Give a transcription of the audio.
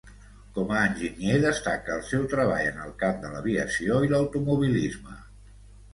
Com a enginyer destaca el seu treball en el camp de l'aviació i l'automobilisme.